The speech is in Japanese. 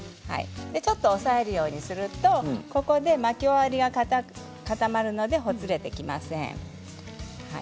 ちょっと押さえるようにするとここで巻き終わりが固まるのでほつれてきません。